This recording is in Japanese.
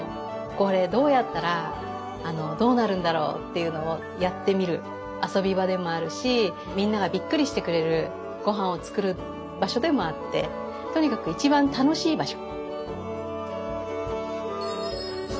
これどうやったらどうなるんだろうっていうのをやってみる遊び場でもあるしみんながびっくりしてくれるごはんを作る場所でもあってとにかく一番楽しい場所。